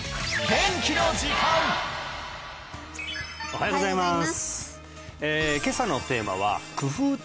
おはようございます